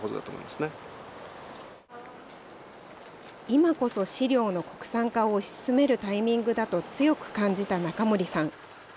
今こそ飼料の国産化を推し進めるタイミングだと強く感じた中森さん。